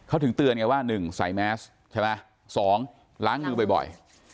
เขาถึงเตือนไงว่าหนึ่งใส่แมสใช่ไหมสองล้างมือบ่อยบ่อย